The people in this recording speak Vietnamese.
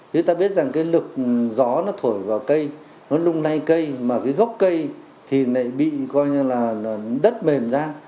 thế ta biết rằng cái lực gió nó thổi vào cây nó lung nay cây mà cái góc cây thì bị đất mềm ra